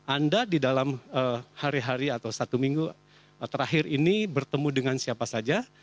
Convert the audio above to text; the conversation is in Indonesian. anda di dalam hari hari atau satu minggu terakhir ini bertemu dengan siapa saja